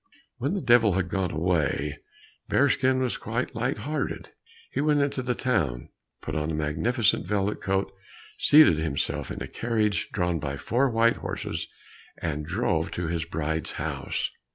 When the Devil had gone away, Bearskin was quite lighthearted. He went into the town, put on a magnificent velvet coat, seated himself in a carriage drawn by four white horses, and drove to his bride's house.